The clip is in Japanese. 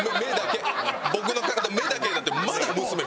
僕の体目だけになってもまだ娘見てる。